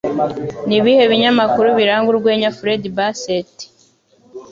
Nibihe binyamakuru biranga Urwenya Fred Bassett?